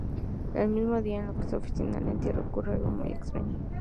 El mismo día en el que se oficia el entierro ocurre algo muy extraño.